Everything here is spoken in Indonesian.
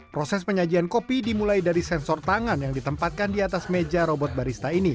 proses penyajian kopi dimulai dari sensor tangan yang ditempatkan di atas meja robot barista ini